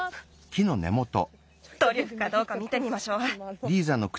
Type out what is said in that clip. トリュフかどうか見てみましょう。